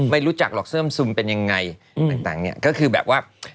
ไม่รู้จักหรอกเสิร์มซุมเป็นยังไงต่างเนี่ยก็คือแบบว่า